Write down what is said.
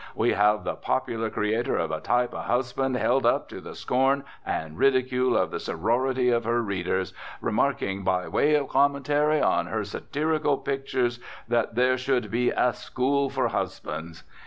We have the popular creator of a type of husband held up to the scorn and ridicule of the sorority of her readers, remarking by way of commentary on her satirical pictures that there should be 'a school for husbands.'